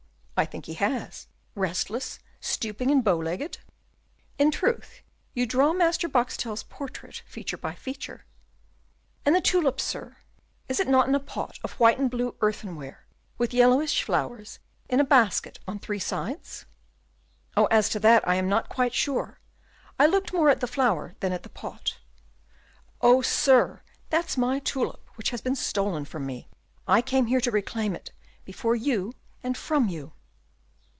"I think he has." "Restless, stooping, and bowlegged?" "In truth, you draw Master Boxtel's portrait feature by feature." "And the tulip, sir? Is it not in a pot of white and blue earthenware, with yellowish flowers in a basket on three sides?" "Oh, as to that I am not quite sure; I looked more at the flower than at the pot." "Oh, sir! that's my tulip, which has been stolen from me. I came here to reclaim it before you and from you."